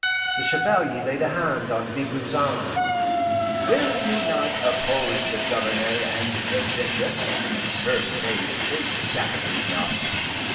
The Chevalier laid a hand on Bigot's arm. "Will you not oppose the Governor and the bishop? Her fate is sad enough."